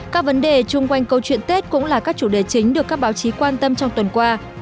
các vấn đề chung quanh câu chuyện tết cũng là các chủ đề chính được các báo chí quan tâm trong tuần qua